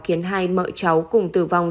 khiến hai mợ cháu cùng tử vong